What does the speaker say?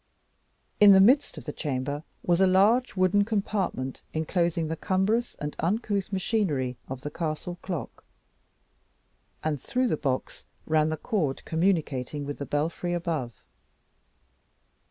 In the midst of the chamber was a large wooden compartment enclosing the cumbrous and uncouth machinery of the castle clock, and through the box ran the cord communicating with the belfry above.